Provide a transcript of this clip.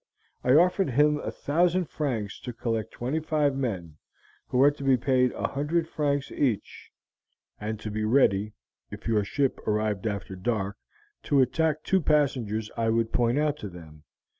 I offered him a thousand francs to collect twenty five men, who were to be paid a hundred francs each, and to be ready, if your ship arrived after dark, to attack two passengers I would point out to them.